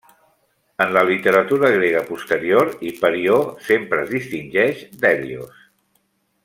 En la literatura grega posterior Hiperió sempre es distingeix d'Hèlios.